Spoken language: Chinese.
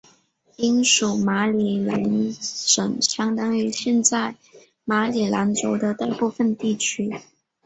英属马里兰省相当于现在马里兰州的大部分地区。